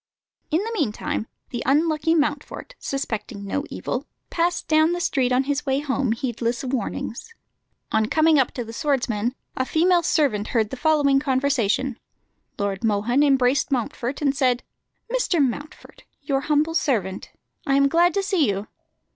In the meantime the unlucky Mountfort, suspecting no evil, passed down the street on his way home, heedless of warnings. On coming up to the swordsmen, a female servant heard the following conversation: Lord Mohun embraced Mountfort, and said "Mr. Mountfort, your humble servant. I am glad to see you."